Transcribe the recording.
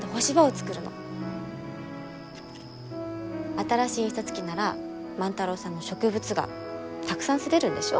新しい印刷機なら万太郎さんの植物画たくさん刷れるんでしょ？